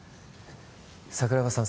桜庭さん